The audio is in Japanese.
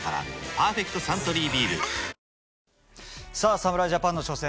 侍ジャパンの初戦